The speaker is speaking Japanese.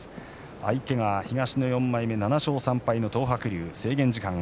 相手は東の４枚目７勝３敗の東白龍です。